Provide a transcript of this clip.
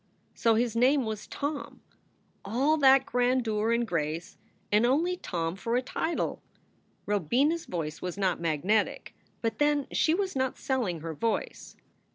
So his name was Tom ! All that grandeur and grace, and only Tom for a title ! Robina s voice was not magnetic. But then, she was not selling her voice.